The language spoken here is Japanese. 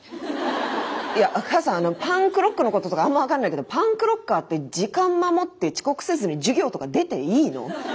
いや母さんパンクロックのこととかあんま分かんないけどパンクロッカーって時間守って遅刻せずに授業とか出ていいの？